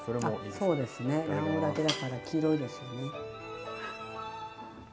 そうですね卵黄だけだから黄色いですよね。